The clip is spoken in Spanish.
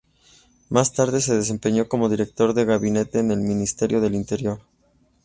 Más tarde se desempeñó como director de gabinete en el Ministerio del Interior.